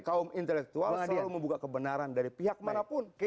kaum intelektual selalu membuka kebenaran dari pihak manapun